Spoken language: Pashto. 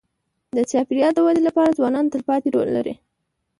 د چاپېریال د ودې لپاره ځوانان تلپاتې رول لري.